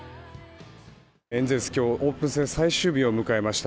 エンゼルス、今日はオープン戦最終日を迎えました。